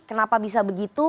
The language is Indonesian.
kenapa bisa begitu